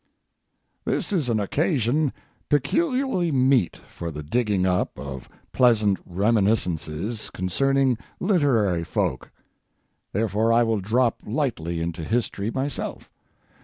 This is an occasion peculiarly meet for the digging up of pleasant reminiscences concerning literary folk; therefore I will drop lightly into history myself.